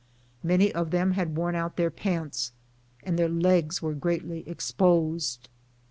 Many of them had worn out their pants, and their legs were greatly exposed.